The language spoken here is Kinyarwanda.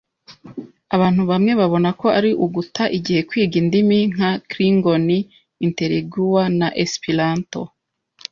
Abantu bamwe babona ko ari uguta igihe kwiga indimi nka Klingon, Interlingua na Esperanto